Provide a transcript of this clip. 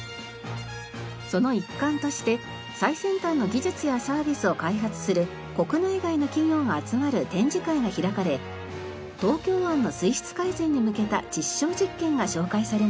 その一環として最先端の技術やサービスを開発する国内外の企業が集まる展示会が開かれ東京湾の水質改善に向けた実証実験が紹介されました。